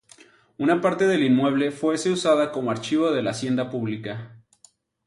Una parte del inmueble fuese usada como archivo de la Hacienda Pública.